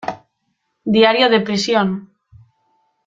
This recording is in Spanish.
Diario de prisión".